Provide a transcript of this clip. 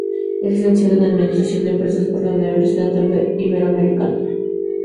Es Licenciado en Administración de Empresas por la Universidad Iberoamericana.